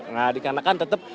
nah dikarenakan tetep